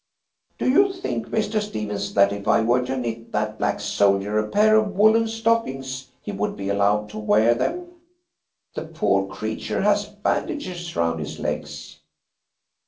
Do you think, Mr. Stephens, that if I were to knit that black soldier a pair of woollen stockings he would be allowed to wear them? The poor creature has bandages round his legs."